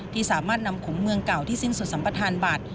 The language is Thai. ที่สามารถนำขุมเมืองเก่าที่สิ้นสุดสัมประธานบัตร